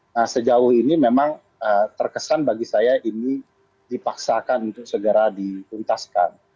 nah sejauh ini memang terkesan bagi saya ini dipaksakan untuk segera dituntaskan